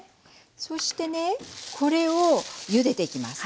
そしてねこれをゆでていきます。